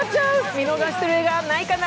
見逃してる映画ないかな？